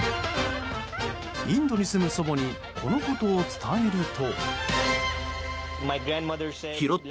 インドに住む祖母にこのことを伝えると。